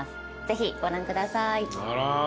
ぜひご覧ください。